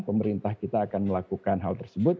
pemerintah kita akan melakukan hal tersebut